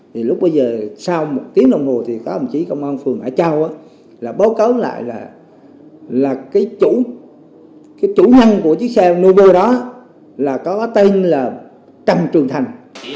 thì lúc bây giờ sau một tiếng đồng hồ thì có một chí công an phường hải châu là bố cấu lại là cái chủ cái chủ hăng của chiếc xe novo đó là có tên là trầm trường thành